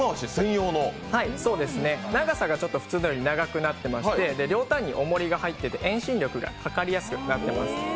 長さが普通より長くなっておりまして、両端におもりが入っていて遠心力がかかりやすくなってます。